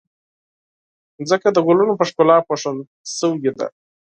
ځمکه د ګلونو په ښکلا پوښل شوې ده.